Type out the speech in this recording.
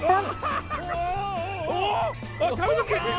髪の毛！